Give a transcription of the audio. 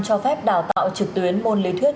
cho phép đào tạo trực tuyến môn lý thuyết